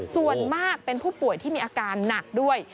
ส่วนมากเป็นผู้ป่วยที่มีอาการหนักด้วย